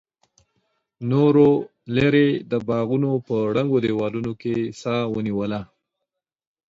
نورو ليرې د باغونو په ړنګو دېوالونو کې سا ونيوله.